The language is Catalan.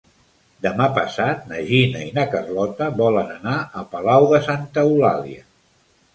Demà passat na Gina i na Carlota volen anar a Palau de Santa Eulàlia.